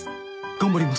頑張ります。